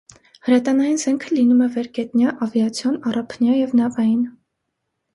Հրետանային զենքը լինում է վերգետնյա, ավիացիոն, առափնյա և նավային։